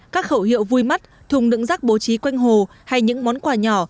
các khẩu hiệu vui mắt thùng đựng rác bố trí quanh hồ hay những món quà nhỏ